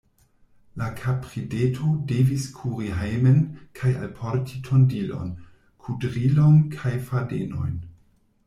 La kaprideto devis kuri hejmen kaj alporti tondilon, kudrilon kaj fadenojn.